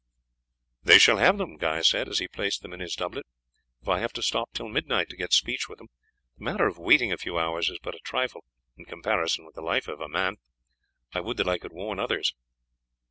"They shall have them," Guy said as he placed them in his doublet, "if I have to stop till midnight to get speech with them; the matter of waiting a few hours is but a trifle in comparison with the life of a man. I would that I could warn others."